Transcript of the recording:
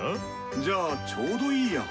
じゃあちょうどいいや。